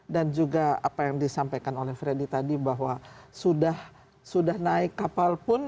dan juga apa yang disampaikan oleh freddy tadi bahwa sudah naik kapal pun